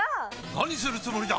何するつもりだ！？